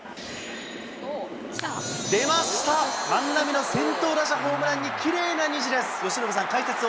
出ました、万波の先頭打者ホームランにきれいな虹です。